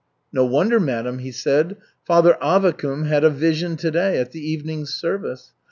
'No wonder, madam,' he said, 'Father Avvakum had a vision today at the evening service.